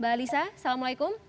mbak alisa assalamualaikum